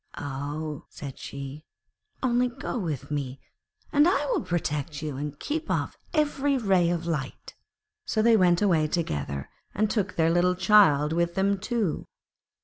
'Ah,' said she, 'only go with me, and I will protect you and keep off every ray of light.' So they went away together, and took their little child with them too.